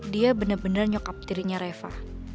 dia bener bener nyokap dirinya reva